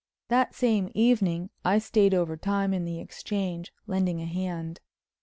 That same evening I stayed over time in the Exchange, lending a hand.